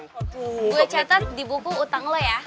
gue catat di buku utang lo ya